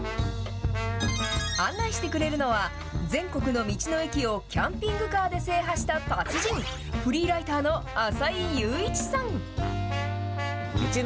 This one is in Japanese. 案内してくれるのは、全国の道の駅をキャンピングカーで制覇した達人、フリーライターの浅井佑一さん。